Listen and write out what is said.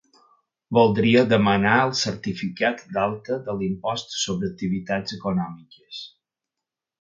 Voldria demanar el certificat d'alta de l'impost sobre activitats econòmiques.